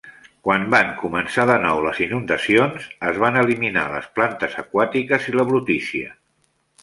Quan van començar de nou les inundacions, es van eliminar les plantes aquàtiques i la brutícia.